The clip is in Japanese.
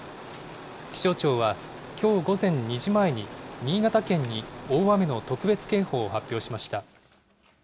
気象庁は、きょう午前２時前に、新潟県に大雨の特別警報を発表しました。